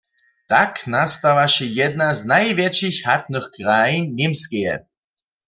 Tak nastawaše jedna z najwjetšich hatnych krajin Němskeje.